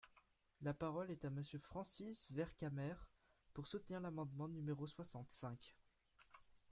La parole est à Monsieur Francis Vercamer, pour soutenir l’amendement numéro soixante-cinq.